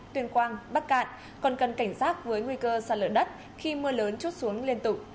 tuyên quang bắc cạn còn cần cảnh sát với nguy cơ sạt lửa đất khi mưa lớn trút xuống liên tục